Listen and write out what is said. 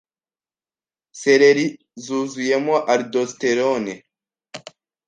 seleri zuzuyemo aldosterone